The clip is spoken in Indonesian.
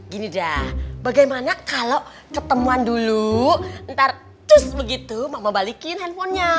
gini dah bagaimana kalo ketemuan dulu ntar cus begitu mama balikin handphonenya